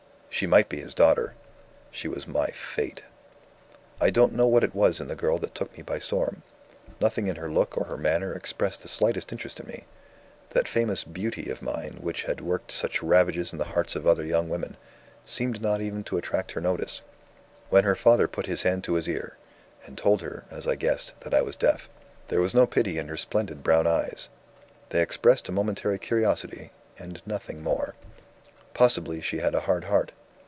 She might be his daughter. She was My Fate. "I don't know what it was in the girl that took me by storm. Nothing in her look or her manner expressed the slightest interest in me. That famous "beauty" of mine which had worked such ravages in the hearts of other young women, seemed not even to attract her notice. When her father put his hand to his ear, and told her (as I guessed) that I was deaf, there was no pity in her splendid brown eyes; they expressed a momentary curiosity, and nothing more. Possibly she had a hard heart?